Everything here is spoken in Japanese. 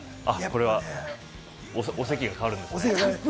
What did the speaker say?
お席が変わるんですね。